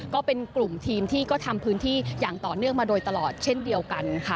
ก็เป็นกลุ่มทีมที่ก็ทำพื้นที่อย่างต่อเนื่องมาโดยตลอดเช่นเดียวกันค่ะ